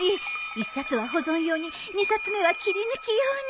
１冊は保存用に２冊目は切り抜き用に